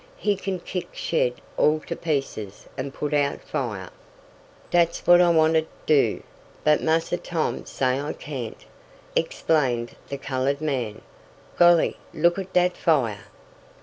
He can kick shed all to pieces, and put out fire." "Dat's what I wanted t' do, but Massa Tom say I cain't," explained the colored man. "Golly! Look at dat fire!"